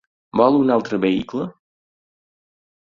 Vol un altre vehicle?